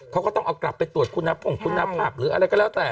เขาก็ต้องเอากลับไปตรวจคุณพงคุณภาพหรืออะไรก็แล้วแต่